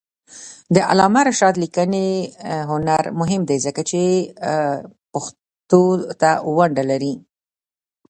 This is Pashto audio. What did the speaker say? د علامه رشاد لیکنی هنر مهم دی ځکه چې پښتو ته ونډه لري.